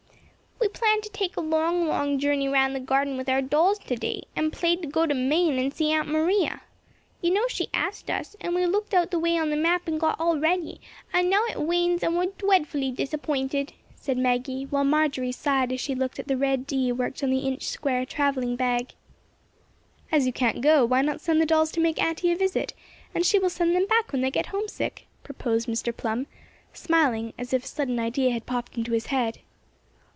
"We planned to take a long, long journey round the garden with our dolls to day, and play go to Maine and see Aunt Maria. You know she asked us, and we looked out the way on the map and got all ready, and now it rains and we are dreadfully disappointed," said Maggie, while Marjory sighed as she looked at the red D. worked on the inch square travelling bag. "As you can't go, why not send the dolls to make aunty a visit, and she will send them back when they get homesick," proposed Mr. Plum, smiling, as if a sudden idea had popped into his head.